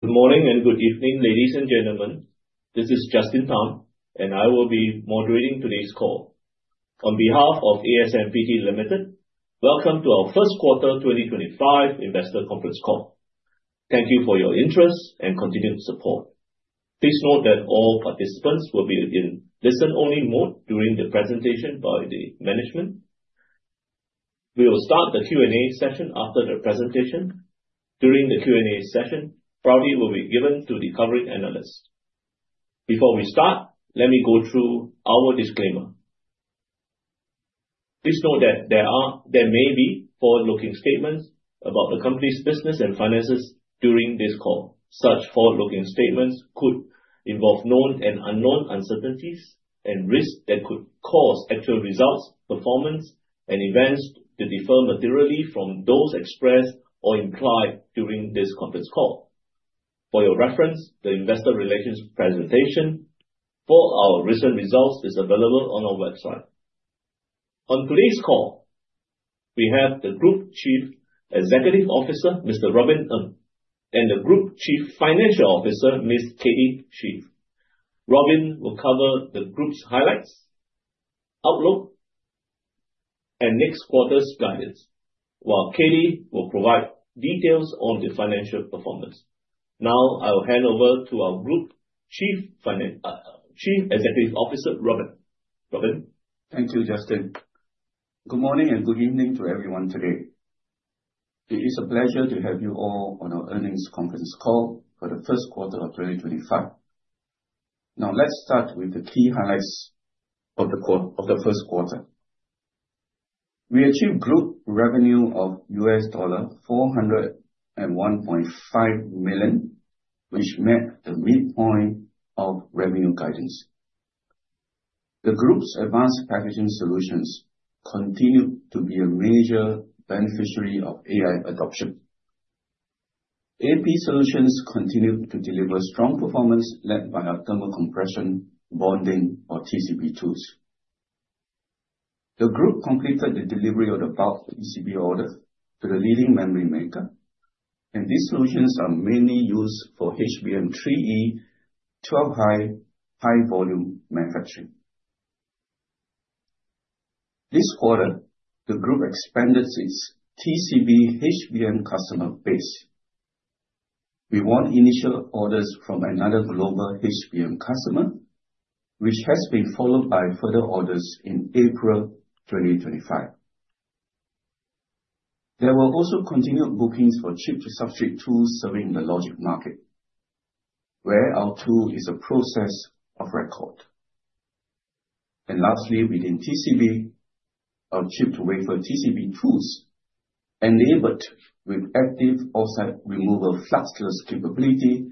Good morning and good evening, ladies and gentlemen. This is Justin Tham, and I will be moderating today's call. On behalf of ASMPT Limited, welcome to our First Quarter 2025 Investor Conference Call. Thank you for your interest and continued support. Please note that all participants will be in listen-only mode during the presentation by the management. We will start the Q&A session after the presentation. During the Q&A session, priority will be given to the covering analyst. Before we start, let me go through our disclaimer. Please note that there may be forward-looking statements about the company's business and finances during this call. Such forward-looking statements could involve known and unknown uncertainties and risks that could cause actual results, performance, and events to differ materially from those expressed or implied during this conference call. For your reference, the investor relations presentation for our recent results is available on our website. On today's call, we have the Group Chief Executive Officer, Mr. Robin Ng, and the Group Chief Financial Officer, Ms. Katie Xu. Robin will cover the group's highlights, outlook, and next quarter's guidance, while Katie will provide details on the financial performance. Now, I will hand over to our Group Chief Executive Officer, Robin. Robin? Thank you, Justin. Good morning and good evening to everyone today. It is a pleasure to have you all on our earnings conference call for the first quarter of 2025. Now, let's start with the key highlights of the first quarter. We achieved group revenue of $401.5 million, which met the midpoint of revenue guidance. The group's advanced packaging solutions continue to be a major beneficiary of AI adoption. AP solutions continue to deliver strong performance led by our thermal compression bonding, or TCB, tools. The group completed the delivery of the bulk TCB order to the leading memory maker, and these solutions are mainly used for HBM3E, 12-Hi, high-volume manufacturing. This quarter, the group expanded its TCB HBM customer base. We won initial orders from another global HBM customer, which has been followed by further orders in April 2025. There were also continued bookings for chip-to-substrate tools serving the logic market, where our tool is a process of record. Lastly, within TCB, our chip-to-wafer TCB tools, enabled with active oxide removal fluxless capability,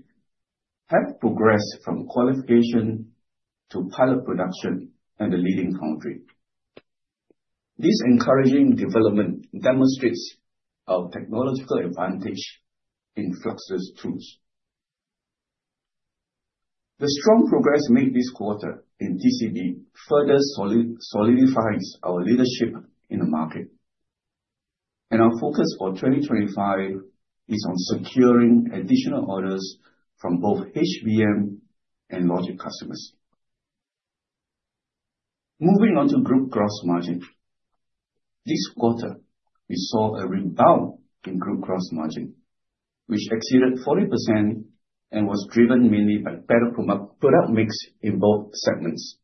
have progressed from qualification to pilot production at the leading foundry. This encouraging development demonstrates our technological advantage in fluxless tools. The strong progress made this quarter in TCB further solidifies our leadership in the market, and our focus for 2025 is on securing additional orders from both HBM and logic customers. Moving on to group gross margin, this quarter, we saw a rebound in group gross margin, which exceeded 40% and was driven mainly by better product mix in both segments.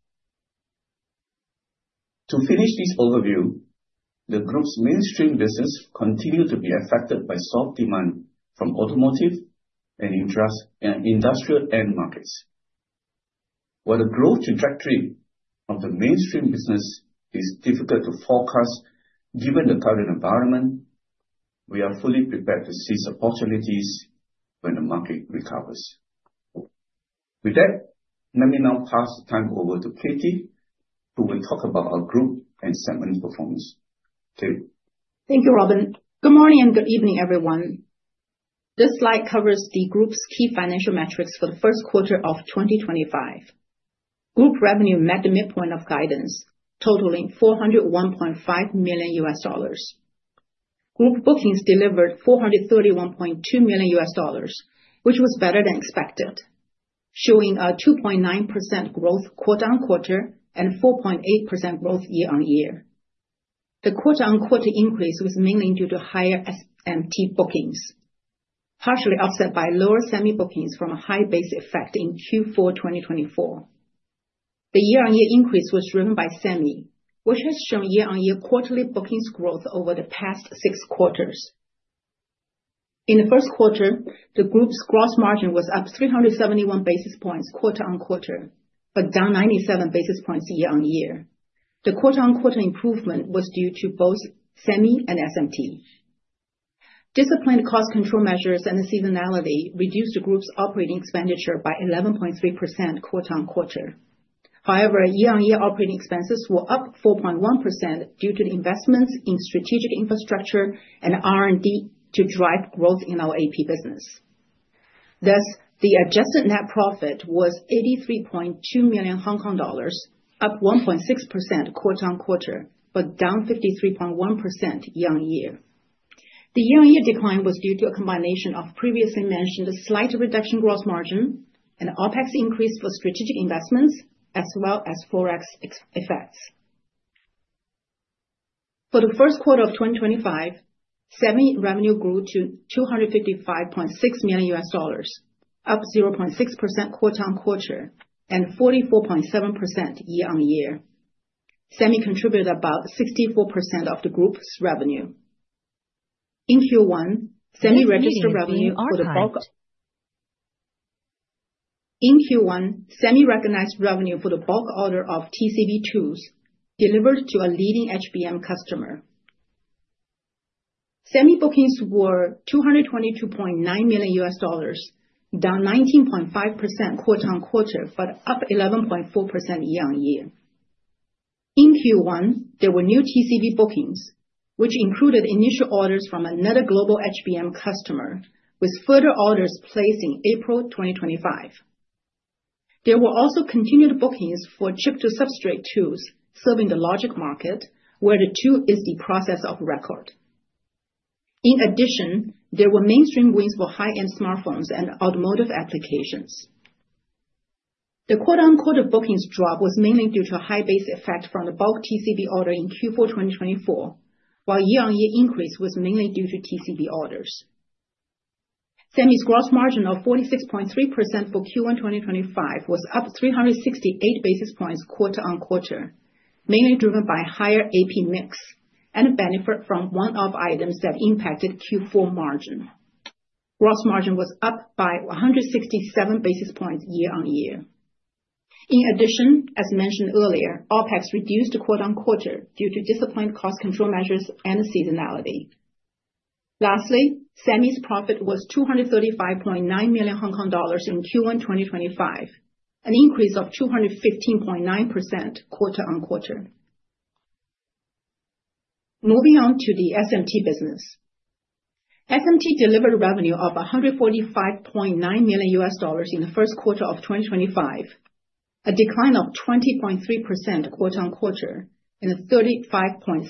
To finish this overview, the group's mainstream business continued to be affected by soft demand from automotive and industrial end markets. While the growth trajectory of the mainstream business is difficult to forecast given the current environment, we are fully prepared to seize opportunities when the market recovers. With that, let me now pass the time over to Katie, who will talk about our group and segment performance. Katie. Thank you, Robin. Good morning and good evening, everyone. This slide covers the group's key financial metrics for the first quarter of 2025. Group revenue met the midpoint of guidance, totaling $401.5 million. Group bookings delivered $431.2 million, which was better than expected, showing a 2.9% growth quarter-on-quarter and 4.8% growth year-on-year. The quarter-on-quarter increase was mainly due to higher SMT bookings, partially offset by lower SEMI bookings from a high base effect in Q4 2024. The year-on-year increase was driven by SEMI, which has shown year-on-year quarterly bookings growth over the past six quarters. In the first quarter, the group's gross margin was up 371 basis points quarter-on-quarter, but down 97 basis points year-on-year. The quarter-on-quarter improvement was due to both SEMI and SMT. Disciplined cost control measures and the seasonality reduced the group's operating expenditure by 11.3% quarter-on-quarter. However, year-on-year operating expenses were up 4.1% due to the investments in strategic infrastructure and R&D to drive growth in our AP business. Thus, the adjusted net profit was 83.2 million Hong Kong dollars, up 1.6% quarter-on-quarter, but down 53.1% year-on-year. The year-on-year decline was due to a combination of previously mentioned slight reduction gross margin and OpEx increase for strategic investments, as well as Forex effects. For the first quarter of 2025, SEMI revenue grew to HKD 255.6 million, up 0.6% quarter-on-quarter and 44.7% year-on-year. SEMI contributed about 64% of the group's revenue. In Q1, SEMI registered revenue for the bulk order of TCB tools delivered to a leading HBM customer. SEMI bookings were HKD 222.9 million, down 19.5% quarter-on-quarter, but up 11.4% year-on-year. In Q1, there were new TCB bookings, which included initial orders from another global HBM customer, with further orders placed in April 2025. There were also continued bookings for chip-to-substrate tools serving the logic market, where the tool is the process of record. In addition, there were mainstream wins for high-end smartphones and automotive applications. The quarter-on-quarter bookings drop was mainly due to a high base effect from the bulk TCB order in Q4 2024, while year-on-year increase was mainly due to TCB orders. SEMI's gross margin of 46.3% for Q1 2025 was up 368 basis points quarter-on-quarter, mainly driven by higher AP mix and a benefit from one-off items that impacted Q4 margin. Gross margin was up by 167 basis points year-on-year. In addition, as mentioned earlier, OpEx reduced quarter-on-quarter due to disciplined cost control measures and the seasonality. Lastly, SEMI's profit was 235.9 million Hong Kong dollars in Q1 2025, an increase of 215.9% quarter-on-quarter. Moving on to the SMT business. SMT delivered revenue of HKD 145.9 million in the first quarter of 2025, a decline of 20.3% quarter-on-quarter and 35.6%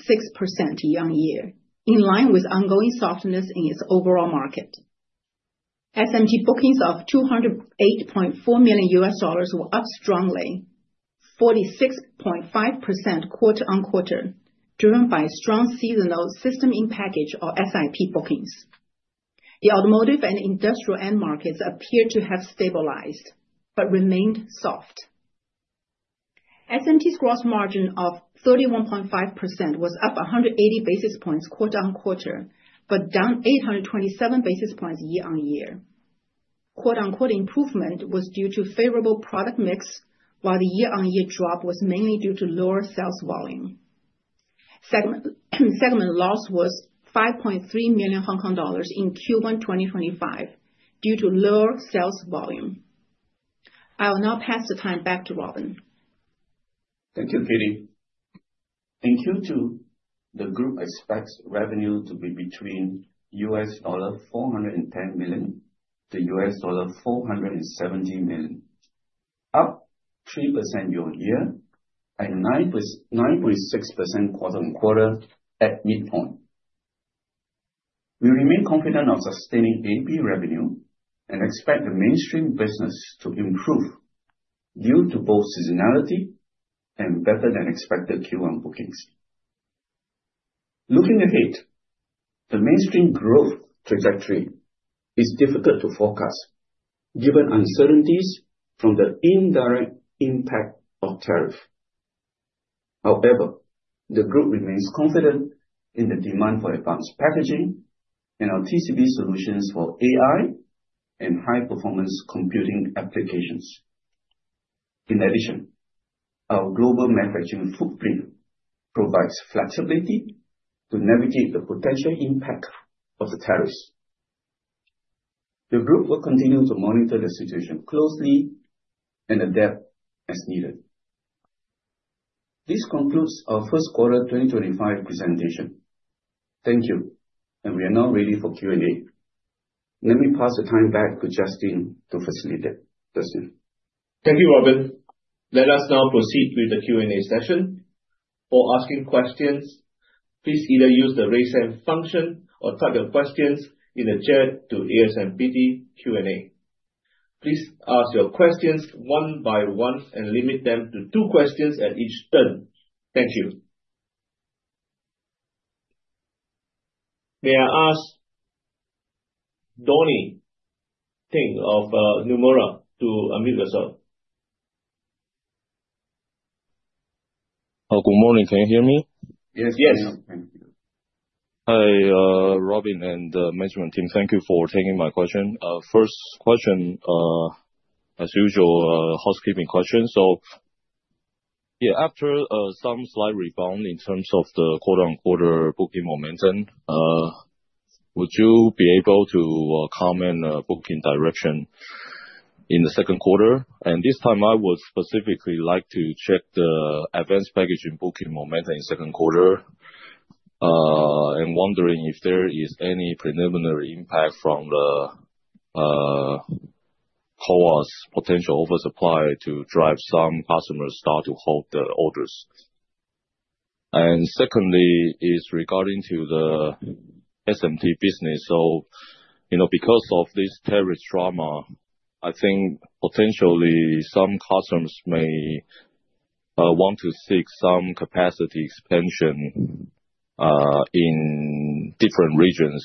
year-on-year, in line with ongoing softness in its overall market. SMT bookings of HKD 208.4 million were up strongly, 46.5% quarter-on-quarter, driven by strong seasonal system-in-package, or SIP, bookings. The automotive and industrial end markets appeared to have stabilized but remained soft. SMT's gross margin of 31.5% was up 180 basis points quarter-on-quarter, but down 827 basis points year-on-year. Quarter-on-quarter improvement was due to favorable product mix, while the year-on-year drop was mainly due to lower sales volume. Segment loss was 5.3 million Hong Kong dollars in Q1 2025 due to lower sales volume. I will now pass the time back to Robin. Thank you, Katie. In Q2, the group expects revenue to be between $410 million-$470 million, up 3% year-on-year and 9.6% quarter-on-quarter at midpoint. We remain confident of sustaining AP revenue and expect the mainstream business to improve due to both seasonality and better-than-expected Q1 bookings. Looking ahead, the mainstream growth trajectory is difficult to forecast given uncertainties from the indirect impact of tariff. However, the group remains confident in the demand for advanced packaging and our TCB solutions for AI and high-performance computing applications. In addition, our global manufacturing footprint provides flexibility to navigate the potential impact of the tariffs. The group will continue to monitor the situation closely and adapt as needed. This concludes our first quarter 2025 presentation. Thank you, and we are now ready for Q&A. Let me pass the time back to Justin to facilitate. Justin. Thank you, Robin. Let us now proceed with the Q&A session. For asking questions, please either use the raise hand function or type your questions in the chat to ASMPT Q&A. Please ask your questions one by one and limit them to two questions at each turn. Thank you. May I ask Donnie Teng of Nomura to unmute yourself? Good morning. Can you hear me? Yes. Yes. Thank you. Hi, Robin and the management team. Thank you for taking my question. First question, as usual, housekeeping question. After some slight rebound in terms of the quarter-on-quarter booking momentum, would you be able to comment on booking direction in the second quarter? This time, I would specifically like to check the advanced packaging booking momentum in the second quarter and wondering if there is any preliminary impact from the CoWoS potential oversupply to drive some customers' start to hold the orders. Secondly, it's regarding to the SMT business. You know, because of this tariff drama, I think potentially some customers may want to seek some capacity expansion in different regions,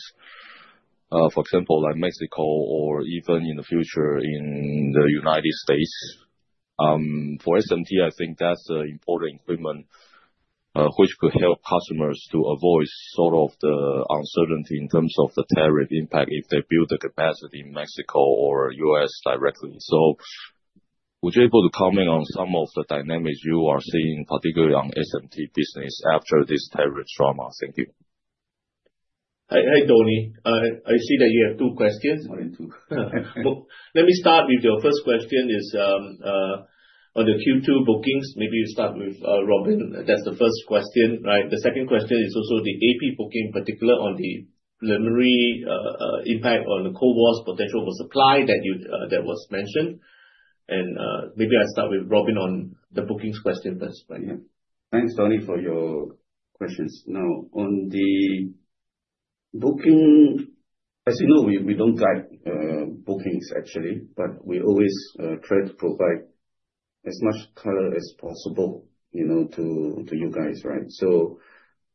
for example, like Mexico or even in the future in the United States. For SMT, I think that's an important equipment which could help customers to avoid sort of the uncertainty in terms of the tariff impact if they build the capacity in Mexico or US directly. Would you be able to comment on some of the dynamics you are seeing, particularly on SMT business after this tariff drama? Thank you. Hi, Donnie. I see that you have two questions. Only two. Let me start with your first question is on the Q2 bookings. Maybe you start with Robin. That's the first question, right? The second question is also the AP booking, particularly on the preliminary impact on the CoWoS potential oversupply that was mentioned. Maybe I'll start with Robin on the bookings question first. Thanks, Donnie, for your questions. Now, on the booking, as you know, we do not drive bookings, actually, but we always try to provide as much color as possible to you guys, right?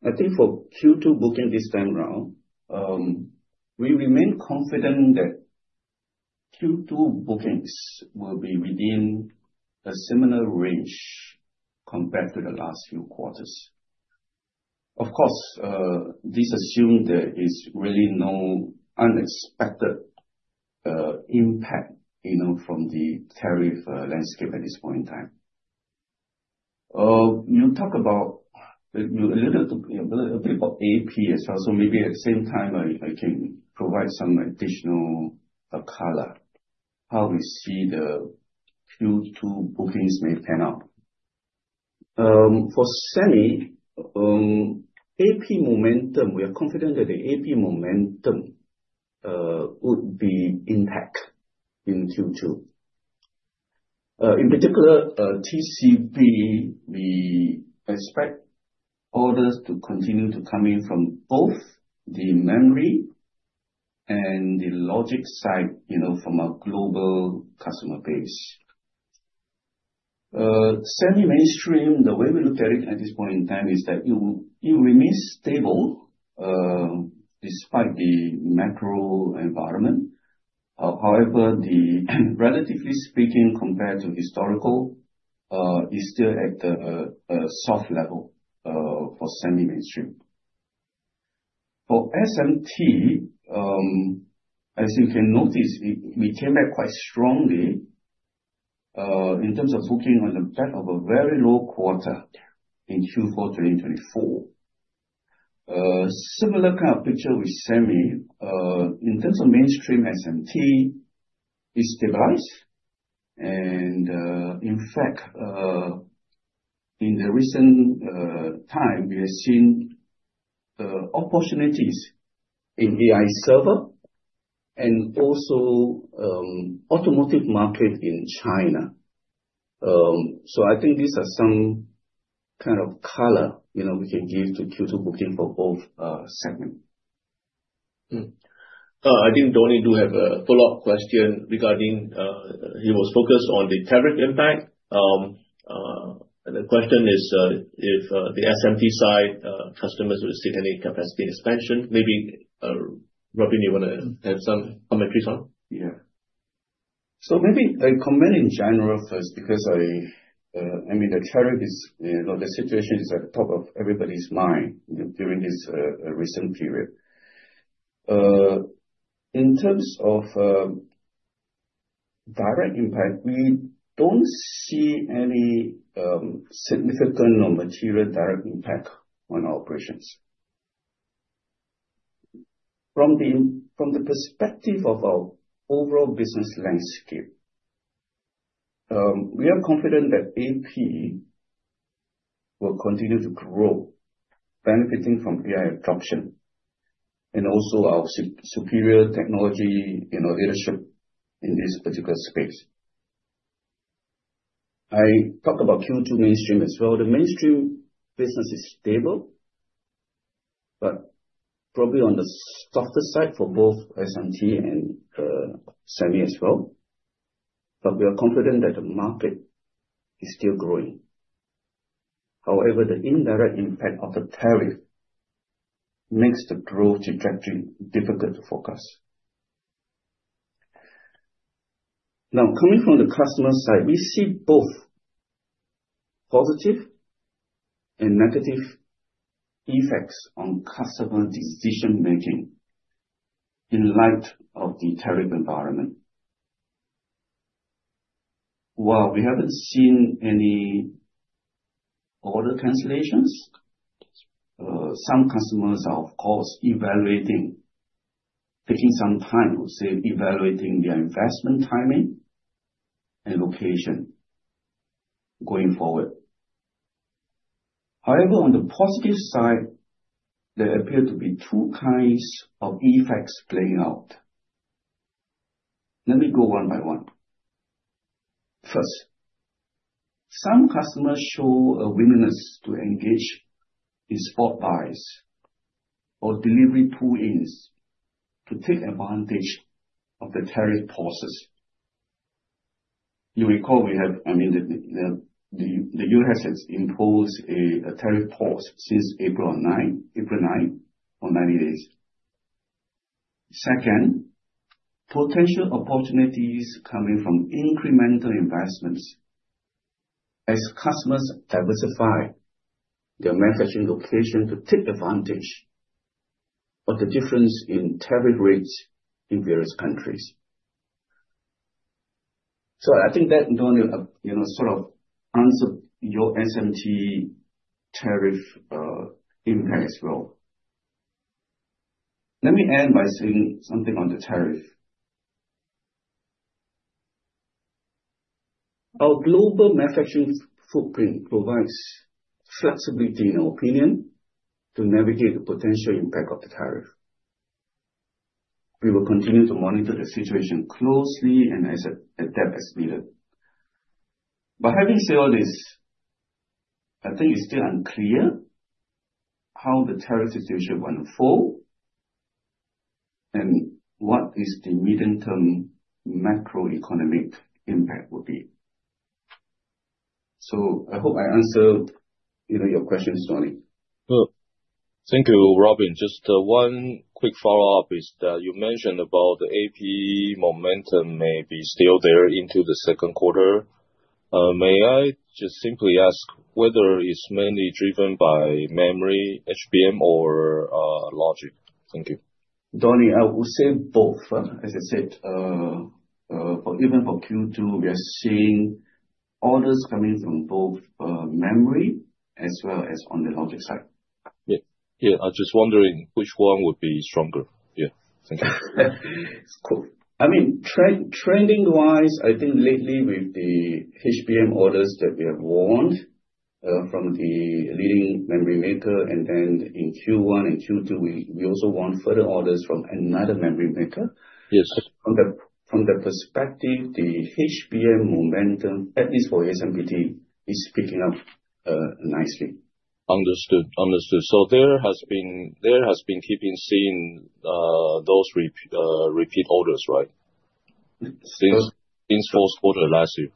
I think for Q2 booking this time around, we remain confident that Q2 bookings will be within a similar range compared to the last few quarters. Of course, this assumes there is really no unexpected impact from the tariff landscape at this point in time. You talked a little bit about AP as well. Maybe at the same time, I can provide some additional color on how we see the Q2 bookings may pan out. For SEMI, AP momentum, we are confident that the AP momentum would be intact in Q2. In particular, TCB, we expect orders to continue to come in from both the memory and the logic side from a global customer base. SEMI-mainstream, the way we look at it at this point in time is that it remains stable despite the macro environment. However, relatively speaking, compared to historical, it's still at a soft level for SEMI-mainstream. For SMT, as you can notice, we came back quite strongly in terms of booking on the back of a very low quarter in Q4 2024. Similar kind of picture with SEMI. In terms of mainstream, SMT is stabilized. In fact, in the recent time, we have seen opportunities in AI server and also the automotive market in China. I think these are some kind of color we can give to Q2 booking for both segments. I think Donnie does have a follow-up question regarding he was focused on the tariff impact. The question is if the SMT side customers will see any capacity expansion. Maybe Robin, you want to have some commentary on? Yeah. Maybe I comment in general first because, I mean, the tariff situation is at the top of everybody's mind during this recent period. In terms of direct impact, we do not see any significant or material direct impact on our operations. From the perspective of our overall business landscape, we are confident that AP will continue to grow, benefiting from AI adoption and also our superior technology leadership in this particular space. I talked about Q2 mainstream as well. The mainstream business is stable, but probably on the softer side for both SMT and SEMI as well. We are confident that the market is still growing. However, the indirect impact of the tariff makes the growth trajectory difficult for us. Now, coming from the customer side, we see both positive and negative effects on customer decision-making in light of the tariff environment. While we haven't seen any order cancellations, some customers are, of course, evaluating, taking some time, say, evaluating their investment timing and location going forward. However, on the positive side, there appear to be two kinds of effects playing out. Let me go one by one. First, some customers show a willingness to engage in spot buys or delivery pull-ins to take advantage of the tariff pauses. You recall we have, I mean, the U.S. has imposed a tariff pause since April 9, for 90 days. Second, potential opportunities coming from incremental investments as customers diversify their manufacturing location to take advantage of the difference in tariff rates in various countries. I think that, Donnie, sort of answered your SMT tariff impact as well. Let me end by saying something on the tariff. Our global manufacturing footprint provides flexibility, in our opinion, to navigate the potential impact of the tariff. We will continue to monitor the situation closely and adapt as needed. Having said all this, I think it's still unclear how the tariff situation will unfold and what the medium-term macroeconomic impact will be. I hope I answered your questions, Donnie. Thank you, Robin. Just one quick follow-up is that you mentioned about the AP momentum may be still there into the second quarter. May I just simply ask whether it's mainly driven by memory, HBM, or logic? Thank you. Donnie, I would say both. As I said, even for Q2, we are seeing orders coming from both memory as well as on the logic side. Yeah. Yeah. I'm just wondering which one would be stronger. Yeah. Thank you. Cool. I mean, trending-wise, I think lately with the HBM orders that we have won from the leading memory maker, and then in Q1 and Q2, we also won further orders from another memory maker. From the perspective, the HBM momentum, at least for ASMPT, is picking up nicely. Understood. Understood. There has been keeping seeing those repeat orders, right, since fourth quarter last year?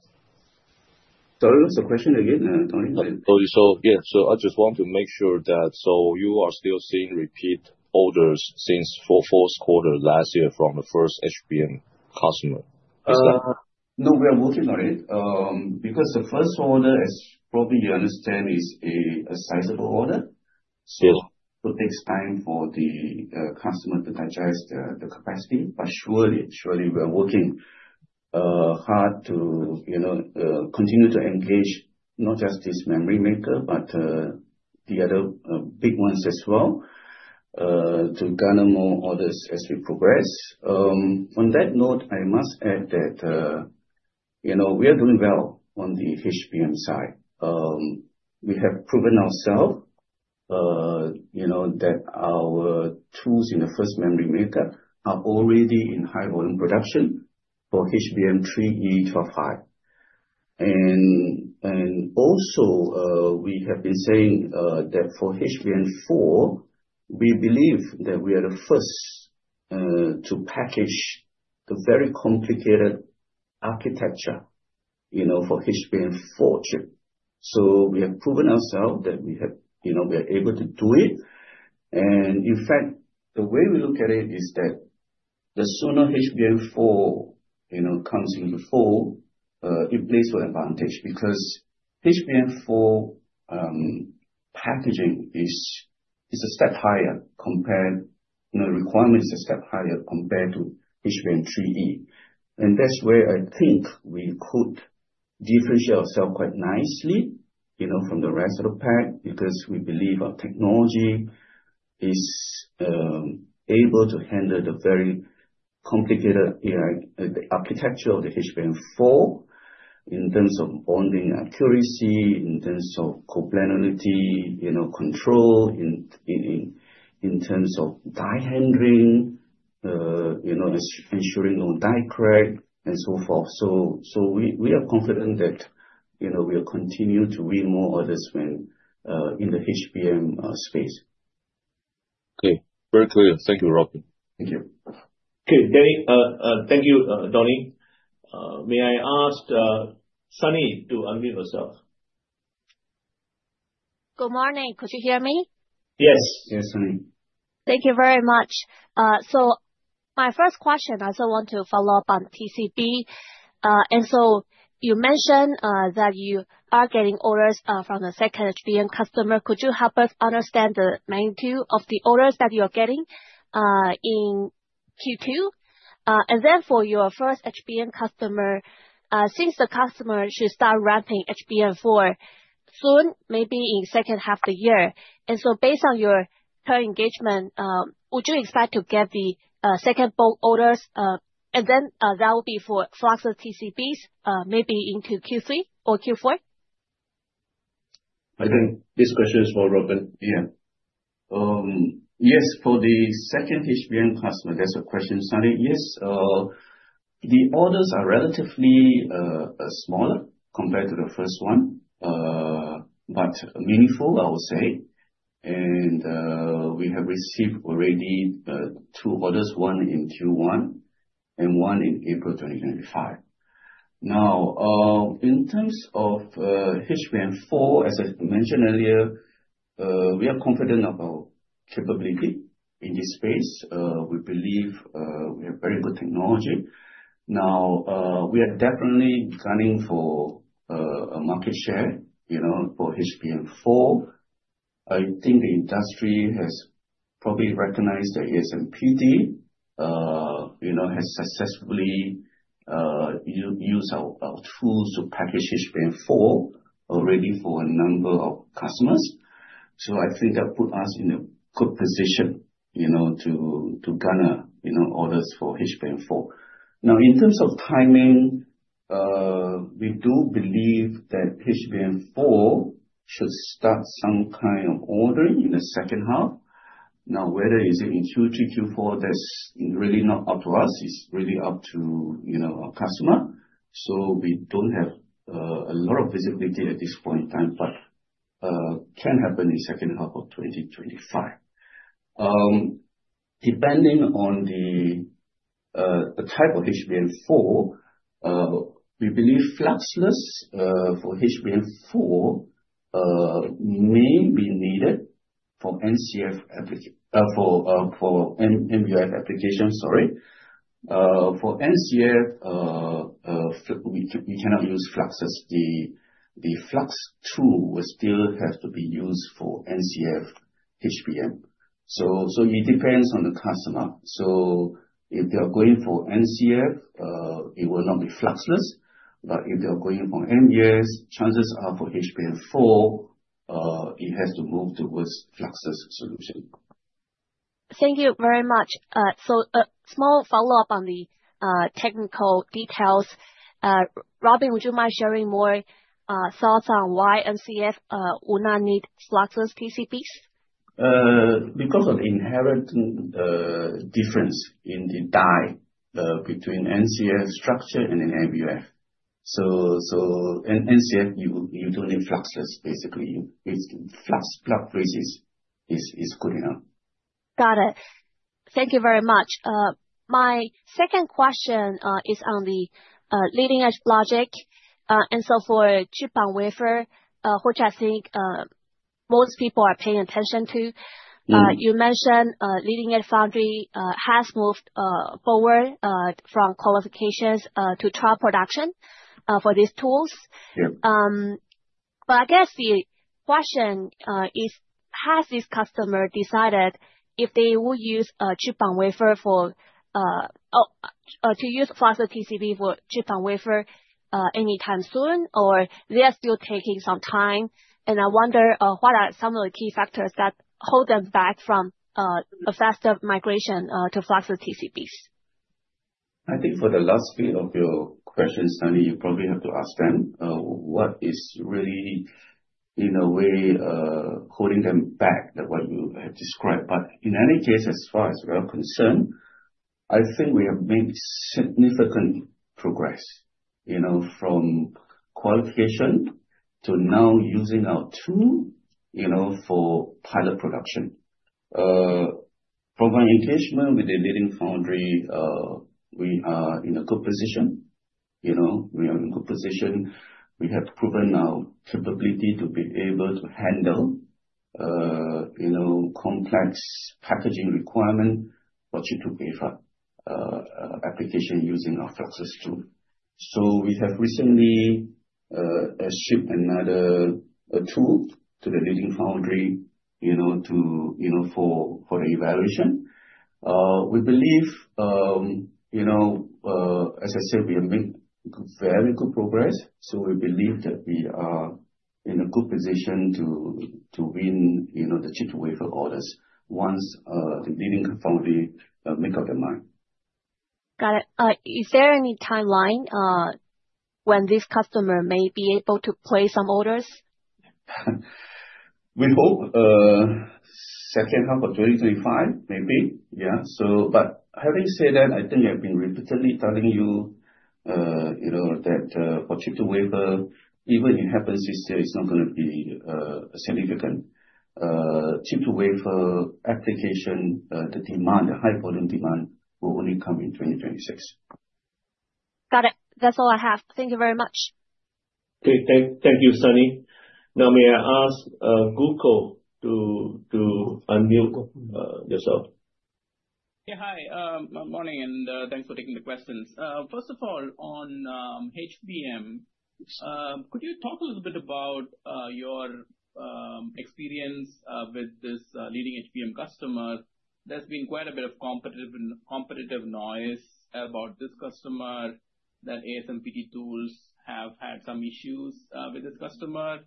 Sorry, what's the question again, Donnie? Yeah, I just want to make sure that you are still seeing repeat orders since fourth quarter last year from the first HBM customer. Is that? No, we are working on it because the first order, as probably you understand, is a sizable order. It takes time for the customer to digest the capacity. Surely, surely we are working hard to continue to engage not just this memory maker, but the other big ones as well to garner more orders as we progress. On that note, I must add that we are doing well on the HBM side. We have proven ourselves that our tools in the first memory maker are already in high-volume production for HBM3E 12-HI. Also, we have been saying that for HBM4, we believe that we are the first to package the very complicated architecture for HBM4 chip. We have proven ourselves that we are able to do it. In fact, the way we look at it is that the sooner HBM4 comes into full, it plays to advantage because HBM4 packaging is a step higher compared to requirements, is a step higher compared to HBM3E. That is where I think we could differentiate ourselves quite nicely from the rest of the pack because we believe our technology is able to handle the very complicated architecture of the HBM4 in terms of bonding accuracy, in terms of coplanarity control, in terms of die handling, ensuring no die crack, and so forth. We are confident that we will continue to win more orders in the HBM space. Okay. Very clear. Thank you, Robin. Thank you. Okay. Danny, thank you, Donnie. May I ask Sunny to unmute herself? Good morning. Could you hear me? Yes. Yes, Sunny. Thank you very much. My first question, I also want to follow up on TCB. You mentioned that you are getting orders from the second HBM customer. Could you help us understand the magnitude of the orders that you are getting in Q2? For your first HBM customer, since the customer should start ramping HBM4 soon, maybe in the second half of the year, based on your current engagement, would you expect to get the second bulk orders? That will be for fluxless TCBs, maybe into Q3 or Q4? I think this question is for Robin. Yes. For the second HBM customer, that's a question, Sunny. Yes. The orders are relatively smaller compared to the first one, but meaningful, I would say. We have received already two orders, one in Q1 and one in April 2025. Now, in terms of HBM4, as I mentioned earlier, we are confident of our capability in this space. We believe we have very good technology. We are definitely gunning for a market share for HBM4. I think the industry has probably recognized that ASMPT has successfully used our tools to package HBM4 already for a number of customers. I think that puts us in a good position to garner orders for HBM4. In terms of timing, we do believe that HBM4 should start some kind of ordering in the second half. Now, whether it's in Q3, Q4, that's really not up to us. It's really up to our customer. We don't have a lot of visibility at this point in time, but it can happen in the second half of 2025. Depending on the type of HBM4, we believe fluxless for HBM4 may be needed for NCF application. Sorry. For NCF, we cannot use fluxless. The flux tool will still have to be used for NCF HBM. It depends on the customer. If they are going for NCF, it will not be fluxless. If they are going for MUF, chances are for HBM4, it has to move towards fluxless solution. Thank you very much. A small follow-up on the technical details. Robin, would you mind sharing more thoughts on why NCF will not need fluxless TCBs? Because of the inherent difference in the die between NCF structure and MUF. So NCF, you do not need fluxless, basically. Fluxless is good enough. Got it. Thank you very much. My second question is on the leading-edge logic and so forth, chip-to-wafer, which I think most people are paying attention to. You mentioned leading-edge foundry has moved forward from qualifications to trial production for these tools. I guess the question is, has this customer decided if they will use chip-to-wafer to use fluxless TCB for chip-to-wafer anytime soon, or they are still taking some time? I wonder what are some of the key factors that hold them back from a faster migration to fluxless TCBs? I think for the last bit of your question, Sunny, you probably have to ask them what is really, in a way, holding them back, what you have described. In any case, as far as we are concerned, I think we have made significant progress from qualification to now using our tool for pilot production. From our engagement with the leading foundry, we are in a good position. We are in a good position. We have proven our capability to be able to handle complex packaging requirement for chip-to-wafer application using our fluxless tool. We have recently shipped another tool to the leading foundry for the evaluation. I believe, as I said, we have made very good progress. We believe that we are in a good position to win the chip-to-wafer orders once the leading foundry makes up their mind. Got it. Is there any timeline when this customer may be able to place some orders? We hope second half of 2025, maybe. Yeah. Having said that, I think I've been repeatedly telling you that for chip-to-wafer, even if it happens this year, it's not going to be significant. Chip-to-wafer application, the demand, the high-volume demand will only come in 2026. Got it. That's all I have. Thank you very much. Okay. Thank you, Sunny. Now, may I ask Gokul to unmute yourself? Yeah. Hi. Good morning. Thanks for taking the questions. First of all, on HBM, could you talk a little bit about your experience with this leading HBM customer? There's been quite a bit of competitive noise about this customer, that ASMPT tools have had some issues with this customer.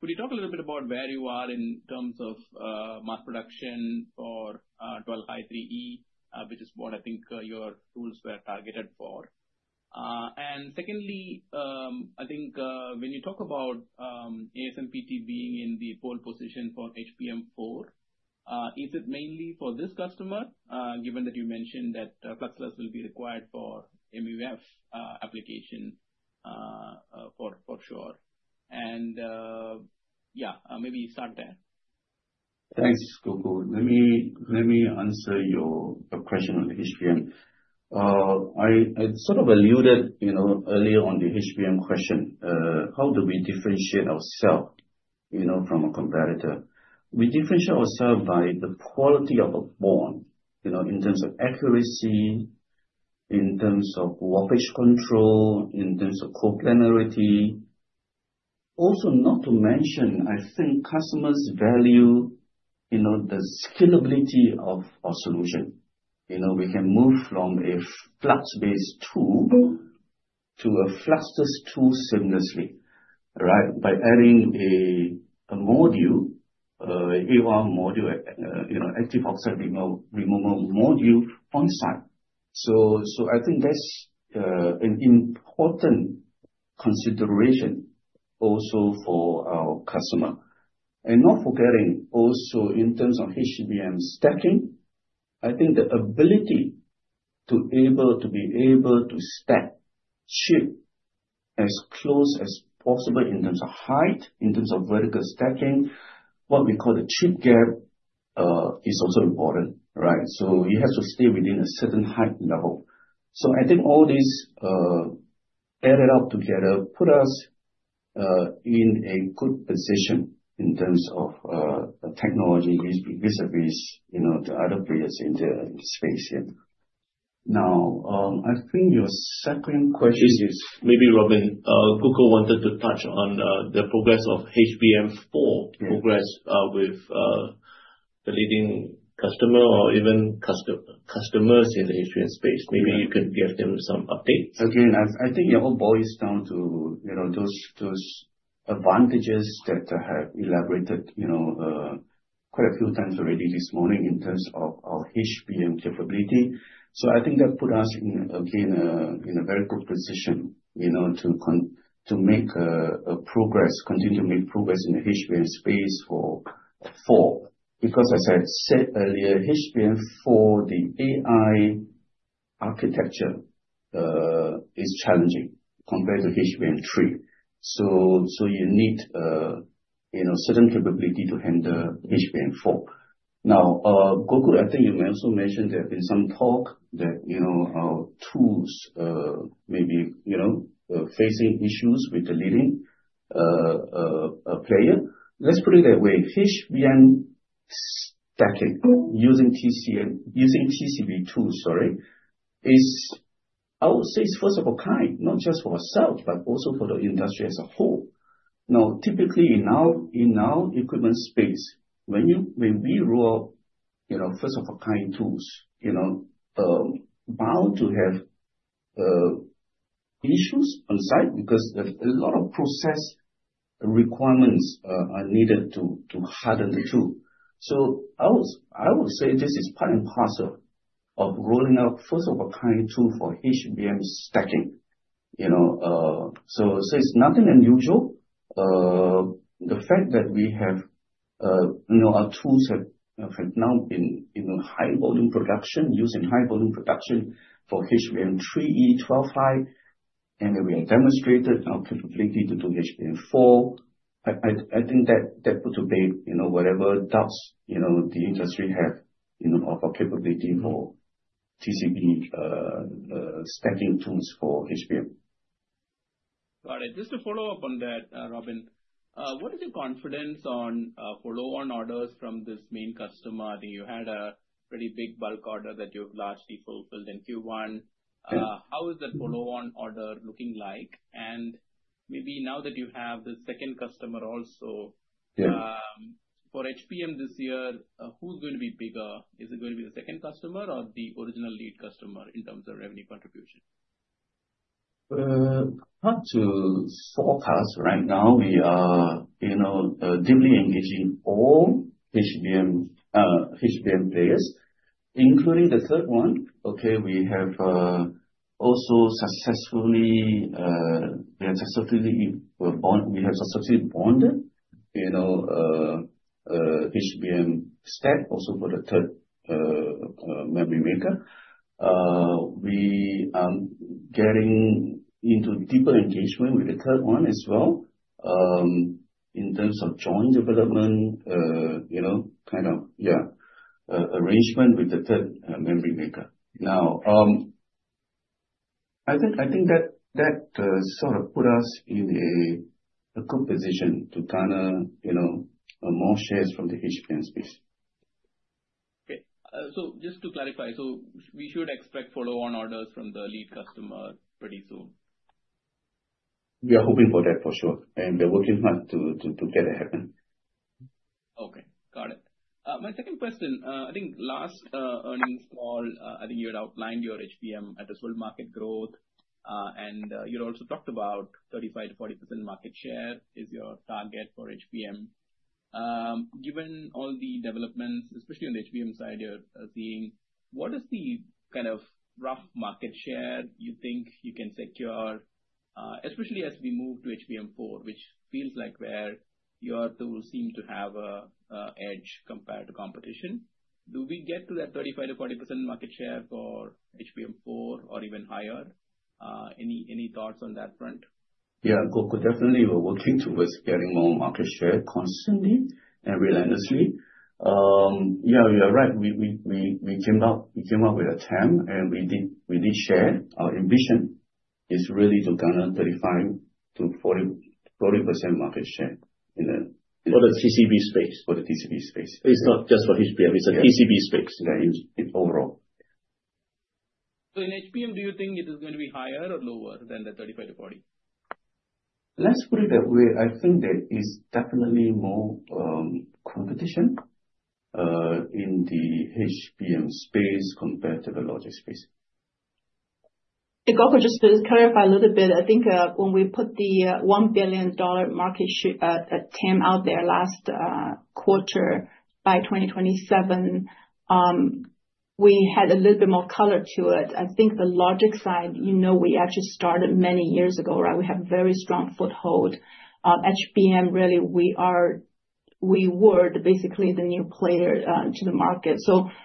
Could you talk a little bit about where you are in terms of mass production for HBM3E, which is what I think your tools were targeted for? Secondly, I think when you talk about ASMPT being in the pole position for HBM4, is it mainly for this customer, given that you mentioned that fluxless will be required for MUF application for sure? Yeah, maybe start there. Thanks, Gokul. Let me answer your question on the HBM. I sort of alluded earlier on the HBM question, how do we differentiate ourselves from a competitor? We differentiate ourselves by the quality of a bond in terms of accuracy, in terms of warpage control, in terms of coplanarity. Also, not to mention, I think customers value the scalability of our solution. We can move from a flux-based tool to a fluxless tool seamlessly, right, by adding a module, AR module, active oxide removal module on site. I think that's an important consideration also for our customer. Not forgetting, also in terms of HBM stacking, I think the ability to be able to stack chip as close as possible in terms of height, in terms of vertical stacking, what we call the chip gap is also important, right? You have to stay within a certain height level. I think all this added up together put us in a good position in terms of technology vis-à-vis the other players in the space. Now, I think your second question is. Maybe, Robin, Gokul wanted to touch on the progress of HBM4 progress with the leading customer or even customers in the HBM space. Maybe you can give them some updates. Again, I think it all boils down to those advantages that I have elaborated quite a few times already this morning in terms of our HBM capability. I think that puts us, again, in a very good position to make progress, continue to make progress in the HBM space for 4. Because as I said earlier, HBM4, the AI architecture is challenging compared to HBM3. You need a certain capability to handle HBM4. Now, Gokul, I think you may also mention there have been some talk that our tools may be facing issues with the leading player. Let's put it that way. HBM stacking using TCB tools, sorry, I would say it's first of a kind, not just for ourselves, but also for the industry as a whole. Now, typically in our equipment space, when we roll out first-of-a-kind tools, bound to have issues on site because there's a lot of process requirements needed to harden the tool. I would say this is part and parcel of rolling out first-of-a-kind tool for HBM stacking. It is nothing unusual. The fact that we have our tools have now been in high-volume production, using high-volume production for HBM3E 12-HI, and we have demonstrated our capability to do HBM4, I think that puts away whatever doubts the industry have of our capability for TCB stacking tools for HBM. Got it. Just to follow up on that, Robin, what is your confidence on follow-on orders from this main customer? I think you had a pretty big bulk order that you've largely fulfilled in Q1. How is that follow-on order looking like? Maybe now that you have the second customer also, for HBM this year, who's going to be bigger? Is it going to be the second customer or the original lead customer in terms of revenue contribution? Hard to forecast right now. We are deeply engaging all HBM players, including the third one. We have also successfully bonded. We have successfully bonded HBM stack also for the third memory maker. We are getting into deeper engagement with the third one as well in terms of joint development, kind of, yeah, arrangement with the third memory maker. Now, I think that sort of put us in a good position to garner more shares from the HBM space. Okay. Just to clarify, we should expect follow-on orders from the lead customer pretty soon? We are hoping for that for sure. We are working hard to get it happen. Okay. Got it. My second question, I think last earnings call, I think you had outlined your HBM at a slow market growth. And you had also talked about 35-40% market share is your target for HBM. Given all the developments, especially on the HBM side you're seeing, what is the kind of rough market share you think you can secure, especially as we move to HBM4, which feels like where your tools seem to have an edge compared to competition? Do we get to that 35-40% market share for HBM4 or even higher? Any thoughts on that front? Yeah. Gokul, definitely, we're working towards getting more market share constantly and relentlessly. Yeah, you're right. We came up with a term, and we did share. Our ambition is really to garner 35-40% market share. For the TCB space. for the TCB space. It's not just for HBM. It's a TCB space overall. In HBM, do you think it is going to be higher or lower than the 35-40? Let's put it that way. I think there is definitely more competition in the HBM space compared to the logic space. Gokul, just to clarify a little bit, I think when we put the $1 billion market share term out there last quarter by 2027, we had a little bit more color to it. I think the logic side, we actually started many years ago, right? We have a very strong foothold. HBM, really, we were basically the new player to the market.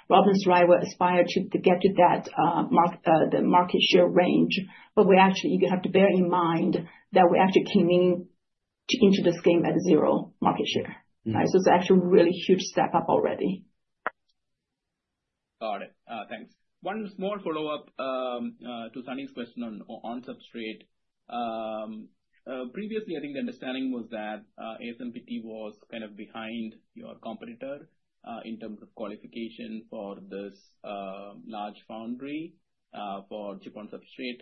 Robin's right, we aspired to get to the market share range. You have to bear in mind that we actually came into the scheme at zero market share, right? It is actually a really huge step up already. Got it. Thanks. One small follow-up to Sunny's question on substrate. Previously, I think the understanding was that ASMPT was kind of behind your competitor in terms of qualification for this large foundry for chip and substrate.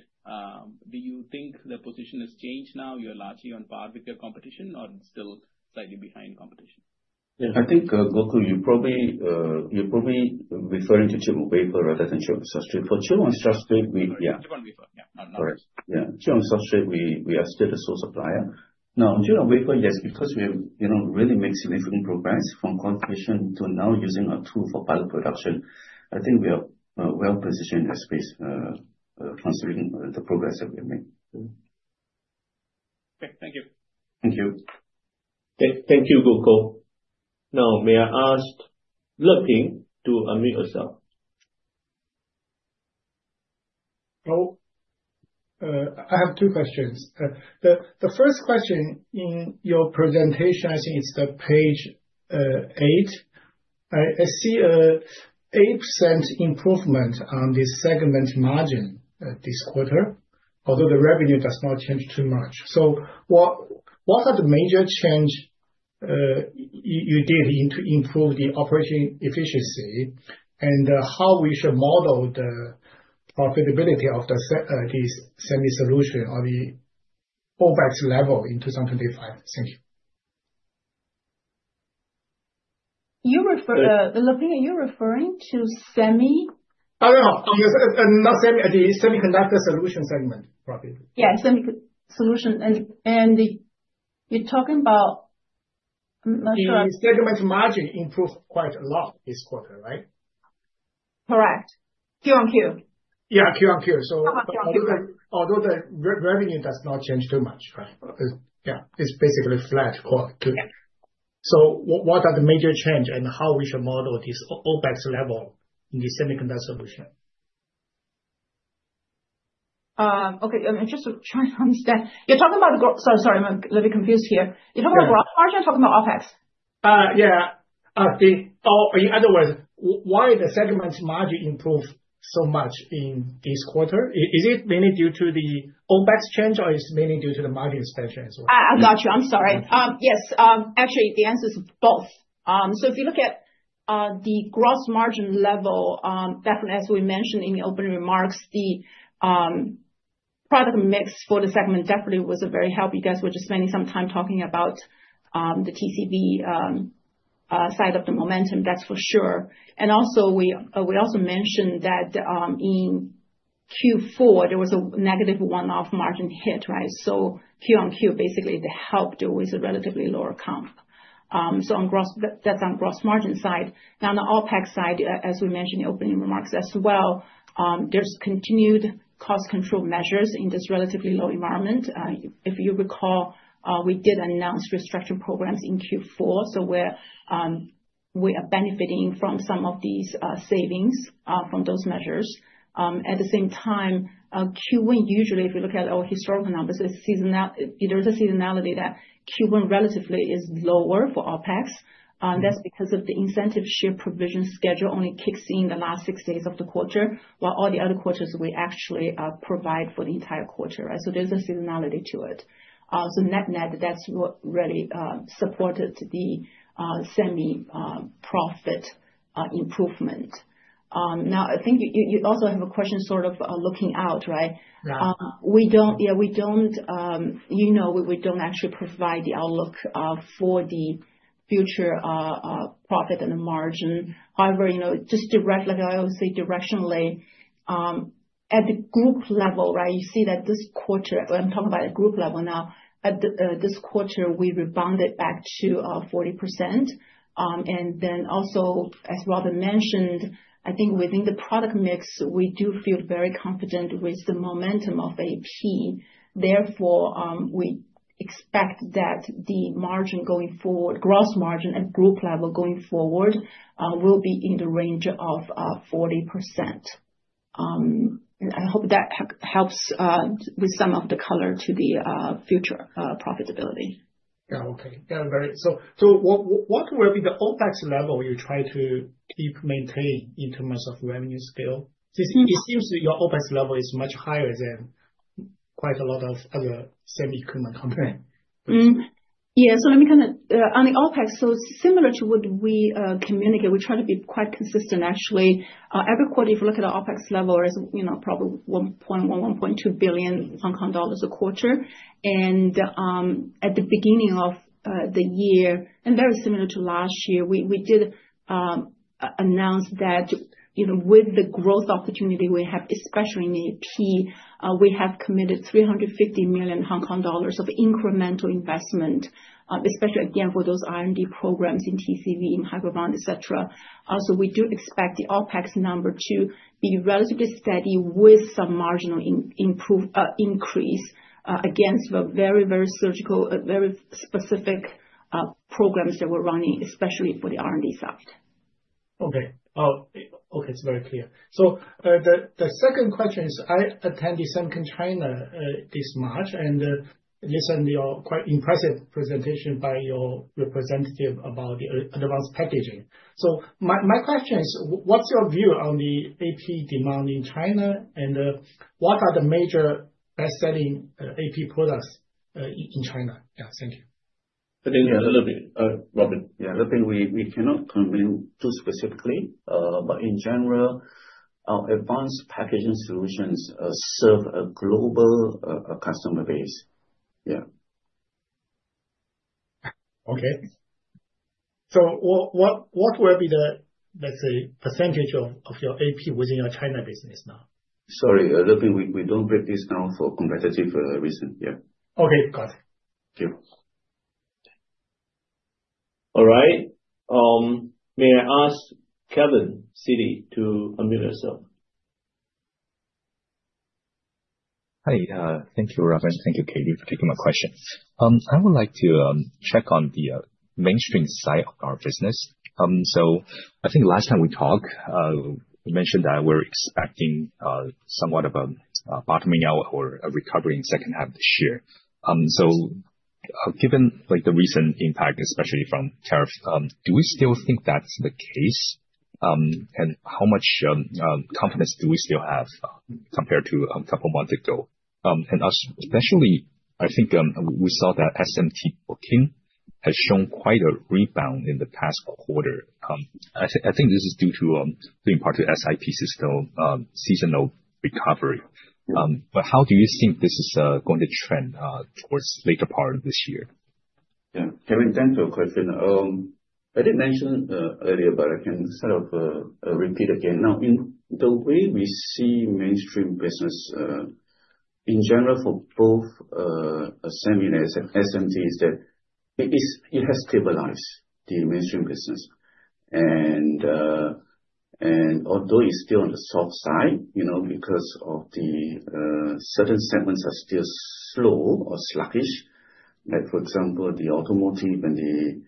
Do you think the position has changed now? You're largely on par with your competition, or it's still slightly behind competition? Yeah. I think, Gokul, you're probably referring to chip-to-wafer rather than chip and substrate. For chip and substrate, we—yeah. Chip-to-wafer. Yeah. Correct. Yeah. Chip and substrate, we are still the sole supplier. Now, chip-to-wafer, yes, because we have really made significant progress from qualification to now using a tool for pilot production, I think we are well positioned in that space considering the progress that we have made. Okay. Thank you. Thank you. Thank you, Gokul. Now, may I ask, Leping to unmute yourself? Oh, I have two questions. The first question in your presentation, I think it's the page eight. I see an 8% improvement on the segment margin this quarter, although the revenue does not change too much. What are the major changes you did to improve the operating efficiency and how we should model the profitability of this SEMI Solution on the OpEx level in 2025? Thank you. The label you're referring to, SEMI? Not SEMI, the Semiconductor Solutions segment, probably. Yeah, SEMI Solution. You're talking about—I'm not sure. The segment margin improved quite a lot this quarter, right? Correct. Q1Q. Yeah, Q1Q. Although the revenue does not change too much, right? Yeah, it's basically flat. What are the major changes and how should we model this OpEx level in the semiconductor solution? Okay. I'm just trying to understand. You're talking about—sorry, sorry, I'm a little bit confused here. You're talking about gross margin or talking about OpEx? Yeah. In other words, why did the segment margin improve so much in this quarter? Is it mainly due to the OpEx change, or is it mainly due to the margin expansion as well? I got you. I'm sorry. Yes. Actually, the answer is both. If you look at the gross margin level, definitely, as we mentioned in the opening remarks, the product mix for the segment definitely was a very help. You guys were just spending some time talking about the TCB side of the momentum, that's for sure. Also, we mentioned that in Q4, there was a negative one-off margin hit, right? Q1Q, basically, the help too is a relatively lower comp. That's on gross margin side. Now, on the OpEx side, as we mentioned in the opening remarks as well, there's continued cost control measures in this relatively low environment. If you recall, we did announce restructuring programs in Q4, so we are benefiting from some of these savings from those measures. At the same time, Q1, usually, if you look at our historical numbers, there is a seasonality that Q1 relatively is lower for OpEx. That is because the incentive share provision schedule only kicks in the last six days of the quarter, while all the other quarters we actually provide for the entire quarter, right? There is a seasonality to it. Net-net, that is what really supported the SEMI-profit improvement. I think you also have a question sort of looking out, right? Right. Yeah, we do not actually provide the outlook for the future profit and the margin. However, just like I always say, directionally, at the group level, right, you see that this quarter—I am talking about the group level now—at this quarter, we rebounded back to 40%. Also, as Robin mentioned, I think within the product mix, we do feel very confident with the momentum of AP. Therefore, we expect that the margin going forward, gross margin at group level going forward, will be in the range of 40%. I hope that helps with some of the color to the future profitability. Yeah. Okay. Yeah, I'm very—so what will be the OpEx level you try to keep maintaining in terms of revenue scale? It seems your OpEx level is much higher than quite a lot of other SEMI-equipment companies. Yeah. Let me kind of—on the OpEx, similar to what we communicate, we try to be quite consistent, actually. Every quarter, if you look at the OpEx level, it is probably 1.1 billion-1.2 billion Hong Kong dollars a quarter. At the beginning of the year, and very similar to last year, we did announce that with the growth opportunity we have, especially in AP, we have committed 350 million Hong Kong dollars of incremental investment, especially, again, for those R&D programs in TCB, in Hybrid Bonding, etc. We do expect the OpEx number to be relatively steady with some marginal increase against the very, very surgical, very specific programs that we are running, especially for the R&D side. Okay. Okay. It's very clear. The second question is, I attended SEMICON China this March, and I listened to your quite impressive presentation by your representative about the advanced packaging. My question is, what's your view on the AP demand in China, and what are the major best-selling AP products in China? Yeah. Thank you. I think a little bit, Robin. Yeah. I think we cannot comment too specifically, but in general, our advanced packaging solutions serve a global customer base. Yeah. Okay. What will be the, let's say, percentage of your AP within your China business now? Sorry, I think we don't break this down for competitive reason. Yeah. Okay. Got it. Thank you. All right. May I ask Kevin, Citi, to unmute yourself? Hi. Thank you, Robin. Thank you, Katie, for taking my question. I would like to check on the mainstream side of our business. I think last time we talked, we mentioned that we're expecting somewhat of a bottoming out or a recovery in the second half of this year. Given the recent impact, especially from tariffs, do we still think that's the case? How much confidence do we still have compared to a couple of months ago? I think we saw that SMT bookings has shown quite a rebound in the past quarter. I think this is due to, in part, the SIP system seasonal recovery. How do you think this is going to trend towards the later part of this year? Yeah. Kevin, thank you for your question. I did mention earlier, but I can sort of repeat again. Now, in the way we see mainstream business, in general, for both SMT and SMT, is that it has stabilized the mainstream business. Although it's still on the soft side because certain segments are still slow or sluggish, like, for example, the automotive and the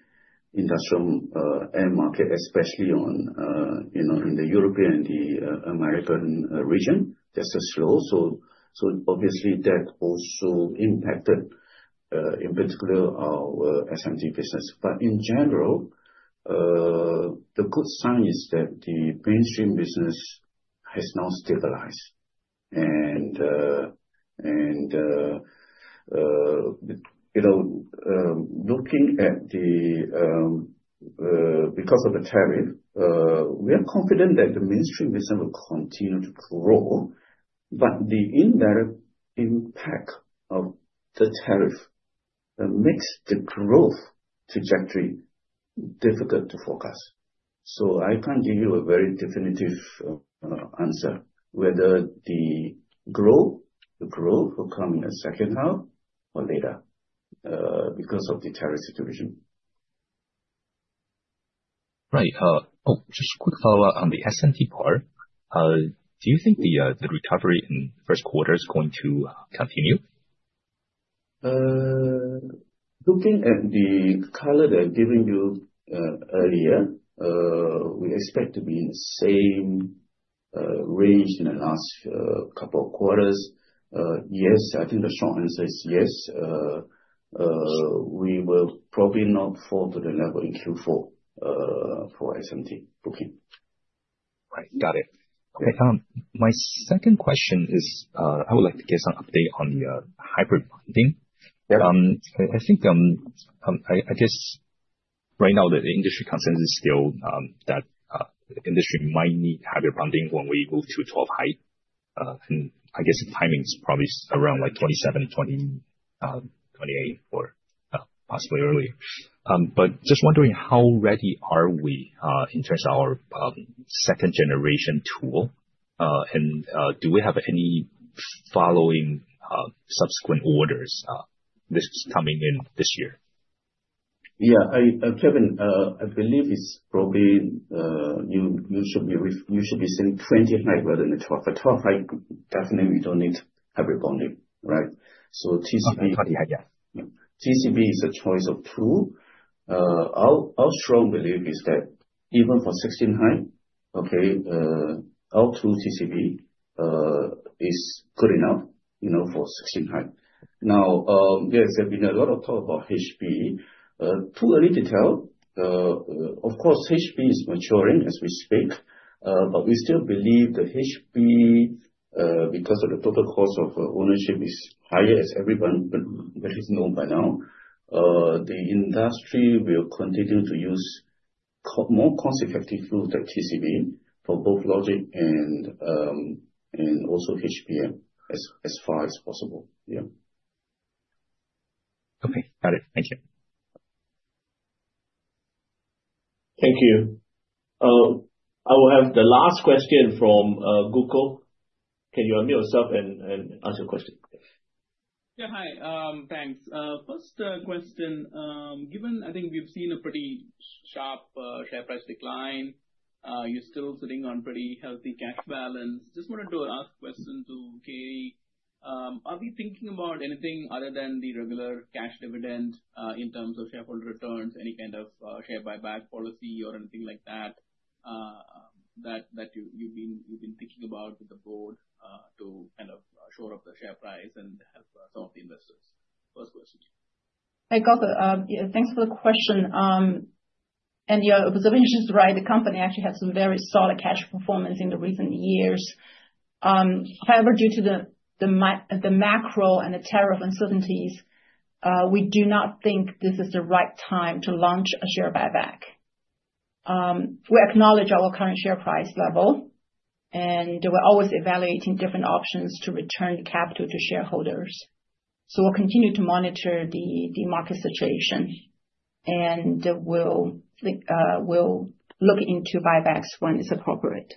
industrial end market, especially in the European and the American region, they're still slow. Obviously, that also impacted, in particular, our SMT business. In general, the good sign is that the mainstream business has now stabilized. Looking at the—because of the tariff, we are confident that the mainstream business will continue to grow. The indirect impact of the tariff makes the growth trajectory difficult to forecast. I can't give you a very definitive answer whether the growth will come in the second half or later because of the tariff situation. Right. Oh, just a quick follow-up on the SMT part. Do you think the recovery in the first quarter is going to continue? Looking at the color that I've given you earlier, we expect to be in the same range in the last couple of quarters. Yes, I think the short answer is yes. We will probably not fall to the level in Q4 for SMT Booking. Right. Got it. Okay. My second question is, I would like to get some update on the hybrid bonding. I guess right now, the industry consensus is still that the industry might need hybrid bonding when we move to 12-HI. I guess the timing is probably around 2027, 2028, or possibly earlier. Just wondering how ready are we in terms of our second-generation tool? Do we have any following subsequent orders? This is coming in this year. Yeah. Kevin, I believe it's probably you should be seeing 20-HI rather than 12. For 12-HI, definitely, we don't need hybrid bonding, right? So TCB. TCB is a choice of two. Our strong belief is that even for 16-HI, okay, Our TCB is good enough for 16-HI. Now, there has been a lot of talk about HB. Too early to tell. Of course, HB is maturing as we speak, but we still believe that HB, because of the total cost of ownership, is higher, as everyone is known by now. The industry will continue to use more cost-effective tools like TCB for both Logic and also HBM as far as possible. Yeah. Okay. Got it. Thank you. Thank you. I will have the last question from Gokul. Can you unmute yourself and ask your question? Yeah. Hi. Thanks. First question. Given I think we've seen a pretty sharp share price decline, you're still sitting on pretty healthy cash balance. Just wanted to ask a question to Katie. Are we thinking about anything other than the regular cash dividend in terms of shareholder returns, any kind of share buyback policy, or anything like that that you've been thinking about with the board to kind of shore up the share price and help some of the investors? First question. Hey, Gokul. Thanks for the question. Yeah, it was very interesting to write the company actually has some very solid cash performance in the recent years. However, due to the macro and the tariff uncertainties, we do not think this is the right time to launch a share buyback. We acknowledge our current share price level, and we're always evaluating different options to return capital to shareholders. We will continue to monitor the market situation, and we will look into buybacks when it's appropriate.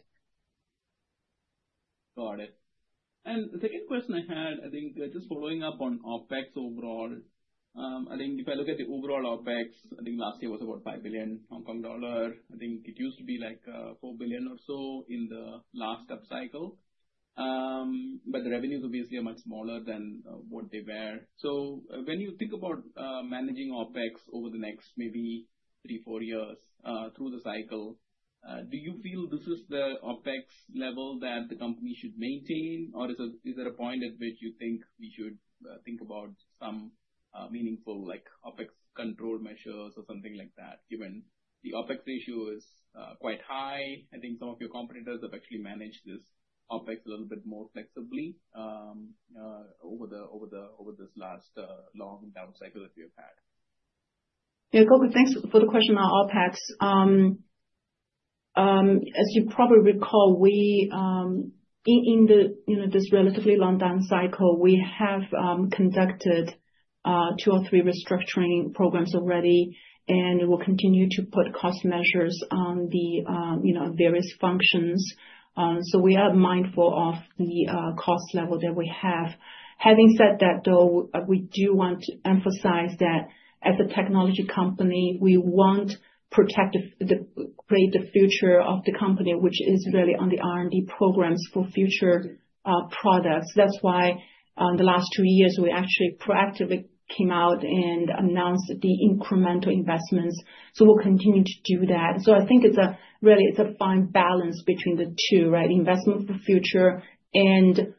Got it. The second question I had, I think just following up on OpEx overall, I think if I look at the overall OpEx, I think last year was about 5 billion Hong Kong dollar. I think it used to be like 4 billion or so in the last upcycle. The revenues obviously are much smaller than what they were. When you think about managing OpEx over the next maybe three, four years through the cycle, do you feel this is the OpEx level that the company should maintain, or is there a point at which you think we should think about some meaningful OpEx control measures or something like that, given the OpEx ratio is quite high? I think some of your competitors have actually managed this OpEx a little bit more flexibly over this last long down cycle that we have had. Yeah. Gokul, thanks for the question on OpEx. As you probably recall, in this relatively long down cycle, we have conducted two or three restructuring programs already, and we'll continue to put cost measures on the various functions. We are mindful of the cost level that we have. Having said that, though, we do want to emphasize that as a technology company, we want to create the future of the company, which is really on the R&D programs for future products. That is why in the last two years, we actually proactively came out and announced the incremental investments. We will continue to do that. I think really it is a fine balance between the two, right? Investment for future and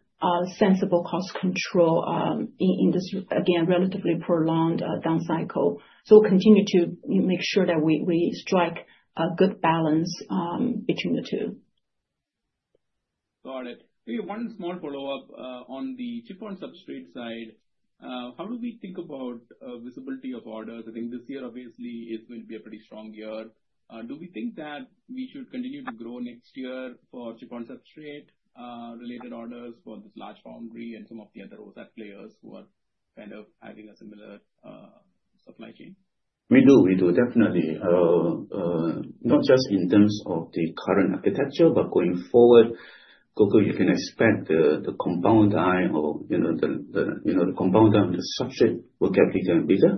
sensible cost control in this, again, relatively prolonged down cycle. We will continue to make sure that we strike a good balance between the two. Got it. Maybe one small follow-up on the chip and substrate side. How do we think about visibility of orders? I think this year, obviously, is going to be a pretty strong year. Do we think that we should continue to grow next year for chip and substrate-related orders for this large foundry and some of the other OSAT players who are kind of having a similar supply chain? We do. We do. Definitely. Not just in terms of the current architecture, but going forward, Gokul, you can expect the compound die or the compound die on the substrate will get bigger and bigger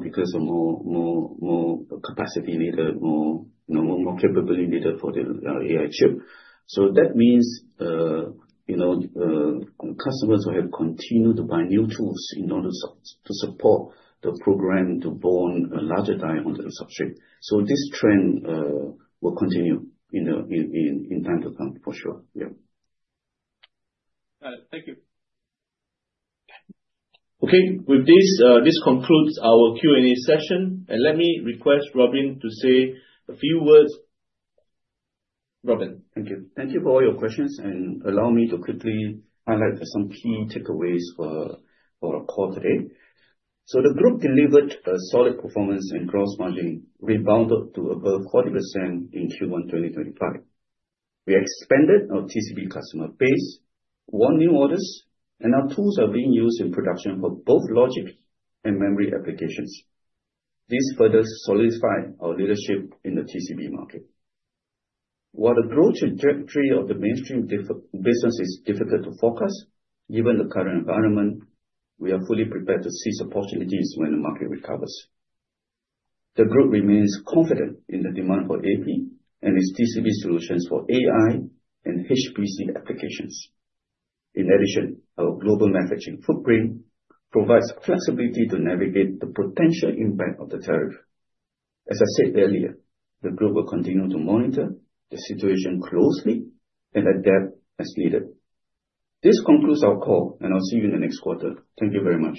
because of more capacity needed, more capability needed for the AI chip. That means customers will have continued to buy new tools in order to support the program to bond a larger die on the substrate. This trend will continue in time to come for sure. Yeah. Got it. Thank you. Okay. With this, this concludes our Q&A session. Let me request Robin to say a few words. Robin. Thank you. Thank you for all your questions. Allow me to quickly highlight some key takeaways for our call today. The group delivered a solid performance and gross margin rebounded to above 40% in Q1 2025. We expanded our TCB customer base, won new orders, and our tools are being used in production for both logic and memory applications. This further solidified our leadership in the TCB market. While the growth trajectory of the mainstream business is difficult to forecast, given the current environment, we are fully prepared to seize opportunities when the market recovers. The group remains confident in the demand for AP and its TCB solutions for AI and HPC applications. In addition, our global manufacturing footprint provides flexibility to navigate the potential impact of the tariff. As I said earlier, the group will continue to monitor the situation closely and adapt as needed. This concludes our call, and I'll see you in the next quarter. Thank you very much.